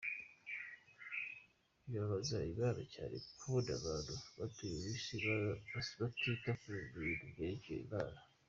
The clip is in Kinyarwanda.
Bibabaza imana cyane kubona abantu batuye isi batita ku bintu byerekeye imana.